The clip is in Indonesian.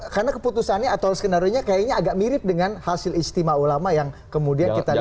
karena keputusannya atau skenario nya kayaknya agak mirip dengan hasil istimewa ulama yang kemudian kita lihat